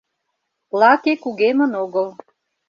Лаке кугемын огыл.